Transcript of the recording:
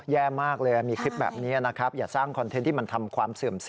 คำเสียนะฮะ